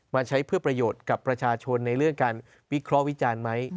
มาใช้เพื่อประโยชน์กับประชาชนในเรื่องการวิเคราะห์วิจารณ์ไหม